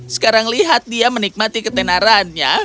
sekarang lihat dia menikmati ketenarannya